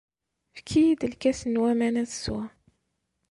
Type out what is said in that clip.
Efk-iyi-d lkkas n waman ad sweɣ.